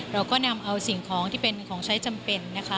เราก็นำเอาสิ่งของที่เป็นของใช้จำเป็นนะคะ